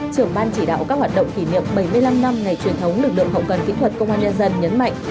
trưởng ban chỉ đạo các hoạt động kỷ niệm bảy mươi năm năm ngày truyền thống lực lượng hậu cần kỹ thuật công an nhân dân nhấn mạnh